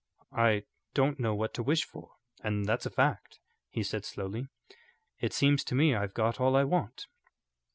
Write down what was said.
"I don't know what to wish for, and that's a fact," he said, slowly. "It seems to me I've got all I want."